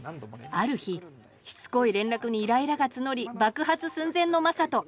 ある日しつこい連絡にイライラが募り爆発寸前の正門。